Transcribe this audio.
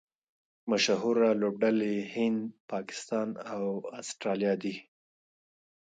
مشهوره لوبډلي هند، پاکستان او اسټرالیا دي.